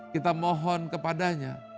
kita mohon kepadanya